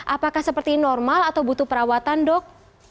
apakah seperti normal atau butuh perawatan dok